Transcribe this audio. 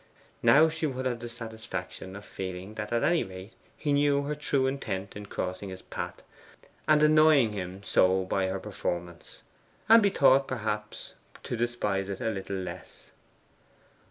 Now she would have the satisfaction of feeling that at any rate he knew her true intent in crossing his path, and annoying him so by her performance, and be taught perhaps to despise it a little less.